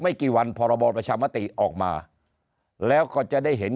กี่วันพรบประชามติออกมาแล้วก็จะได้เห็น